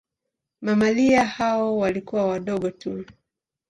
Mamalia hao walikuwa wadogo tu.